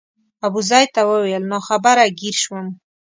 ابوزید ته وویل ناخبره ګیر شوم.